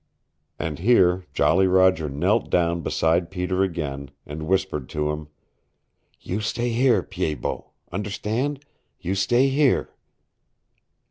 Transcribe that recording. And here Jolly Roger knelt down beside Peter again, and whispered to him. "You stay here, Pied Bot. Understand? You stay here."